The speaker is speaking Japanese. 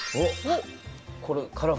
あっこれ？